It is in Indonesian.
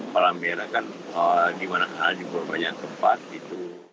palang merah kan dimana mana juga banyak tempat itu